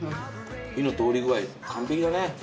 火の通り具合完璧だね。